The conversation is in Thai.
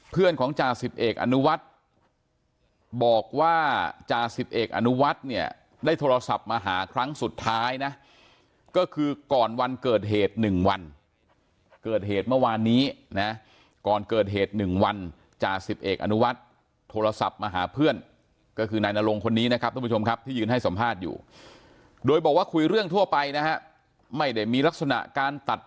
เพื่อนของจ่าสิบเอกอนุวัฒน์บอกว่าจาสิบเอกอนุวัฒน์เนี่ยได้โทรศัพท์มาหาครั้งสุดท้ายนะก็คือก่อนวันเกิดเหตุ๑วันเกิดเหตุเมื่อวานนี้นะก่อนเกิดเหตุ๑วันจ่าสิบเอกอนุวัฒน์โทรศัพท์มาหาเพื่อนก็คือนายนรงคนนี้นะครับทุกผู้ชมครับที่ยืนให้สัมภาษณ์อยู่โดยบอกว่าคุยเรื่องทั่วไปนะฮะไม่ได้มีลักษณะการตัด